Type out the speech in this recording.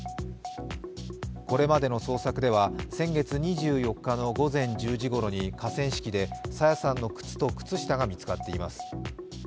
これまでの捜索では、先月２４日の午前１０時ごろに河川敷で朝芽さんの靴と靴下が見つかっています。